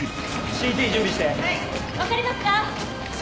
・・ＣＴ準備して・・はい・・分かりますか⁉・咲！